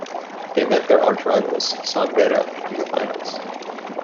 They met their archrivals, San Beda in the finals.